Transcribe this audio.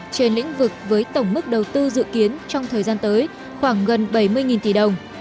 trên lĩnh vực với tổng mức đầu tư dự kiến trong thời gian tới khoảng gần bảy mươi tỷ đồng